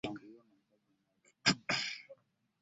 Abasirikale basusse okutimpula abantu baffe.